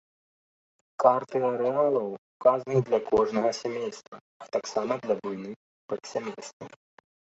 Карты арэалаў указаны для кожнага сямейства, а таксама для буйных падсямействаў.